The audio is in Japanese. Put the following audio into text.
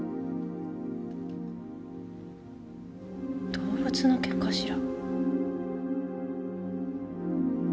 動物の毛かしら。